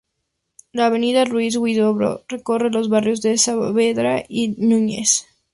La avenida Ruiz Huidobro recorre los barrios de Saavedra y Nuñez.